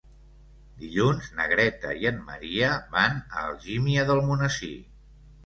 Dilluns na Greta i en Maria van a Algímia d'Almonesir.